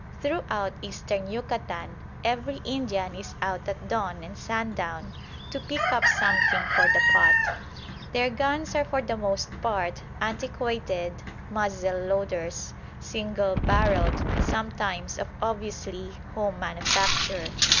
Throughout Eastern Yucatan every Indian is out at dawn and sundown to pick up something for the pot. Their guns are for the most part antiquated muzzle loaders, single barrelled, sometimes of obviously home manufacture.